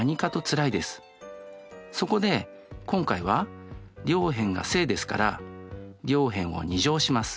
そこで今回は両辺が正ですから両辺を２乗します。